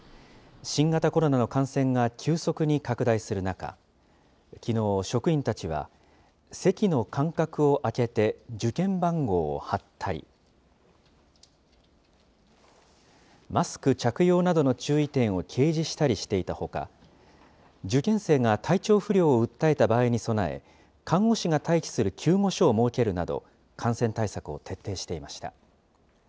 新型コロナの感染が急速に拡大する中、きのう、職員たちは席の間隔を空けて受験番号を貼ったり、マスク着用などの注意点を掲示したりしていたほか、受験生が体調不良を訴えた場合に備え、看護師が待機する救護所を設けるなど、感染対策を徹底していました。